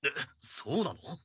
そうなの？